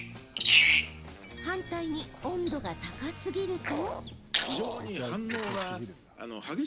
反対に温度が高すぎると。